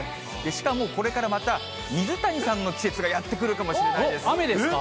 しかも、これからまた、水谷さんの季節がやってくるかもしれない雨ですか？